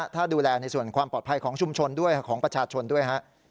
ถ้าดูแลในส่วนความปลอดภัยของชุมชนด้วยของประชาชนด้วยฮะ